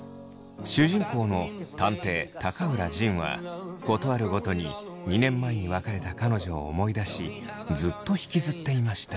主人公の探偵高浦仁はことあるごとに２年前に別れた彼女を思い出しずっと引きずっていました。